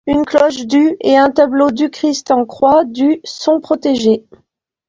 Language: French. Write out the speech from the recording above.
Une cloche du et un tableau du Christ en croix du sont protégés.